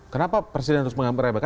kenapa presiden harus menganggap remeh